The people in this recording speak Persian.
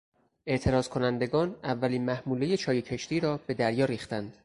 اعتراضکنندگان اولین محمولهی چای کشتی را به دریا ریختند.